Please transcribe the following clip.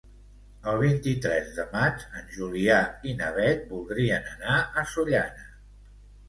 El vint-i-tres de maig en Julià i na Beth voldrien anar a Sollana.